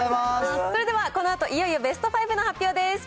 それではこのあといよいよベスト５の発表です。